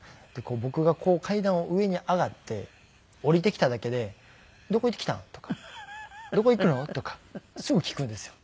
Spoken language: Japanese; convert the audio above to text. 僕がこう階段を上に上がって下りてきただけで「どこ行ってきたん？」とか「どこ行くの？」とかすぐ聞くんですよ。